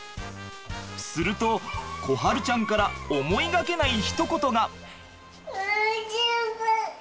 すると心晴ちゃんから思いがけないひとことが。